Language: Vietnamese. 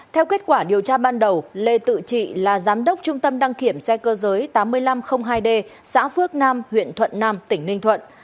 theo kết quả điều tra ban đầu lê tự trị là giám đốc trung tâm đăng kiểm xe cơ giới tám nghìn năm trăm linh hai d xã phước nam huyện thuận nam tỉnh ninh thuận